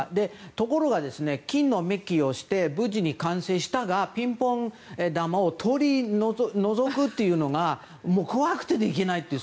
ところが、金のメッキをして無事に完成したがピンポン球を取り除くことが怖くてできないという。